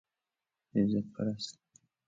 ایزد پرست